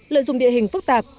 lợi dụng địa hình phức tạp